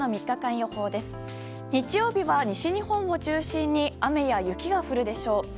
日曜日は、西日本を中心に雨や雪が降るでしょう。